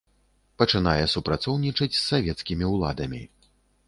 Пачынае супрацоўнічаць з савецкімі ўладамі.